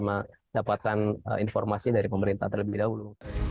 kita harus bersama sama dapatkan informasi dari pemerintah terlebih dahulu